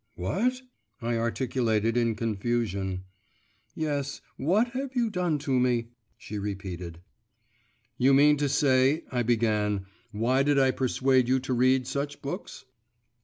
'What?' I articulated in confusion. 'Yes, what have you done to me?' she repeated. 'You mean to say,' I began; 'why did I persuade you to read such books?